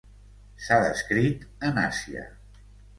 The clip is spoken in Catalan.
S'ha descrit en Àsia.